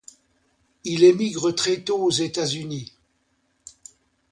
Il émigre très tôt aux États-Unis.